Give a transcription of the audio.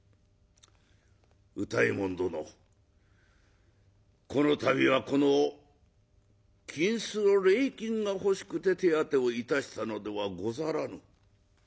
「歌右衛門殿この度はこの金子の礼金が欲しくて手当てをいたしたのではござらぬ。